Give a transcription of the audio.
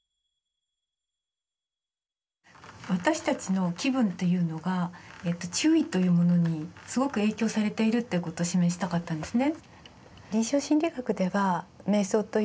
私たちの気分というのが注意というものにすごく影響されているということを示したかったんですね。